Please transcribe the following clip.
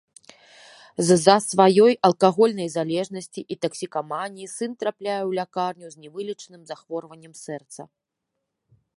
З-за сваёй алкагольнай залежнасці і таксікаманіі сын трапляе ў лякарню з невылечным захворваннем сэрца.